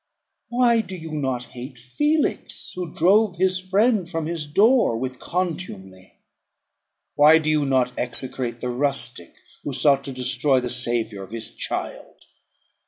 Why do you not hate Felix, who drove his friend from his door with contumely? Why do you not execrate the rustic who sought to destroy the saviour of his child?